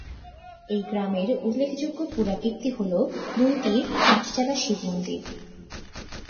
এই গ্রামের উল্লেখযোগ্য পুরাকীর্তি হল দুইটি আটচালা শিবমন্দির।